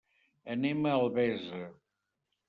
Anem a Albesa.